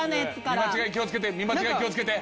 見間違い気をつけて。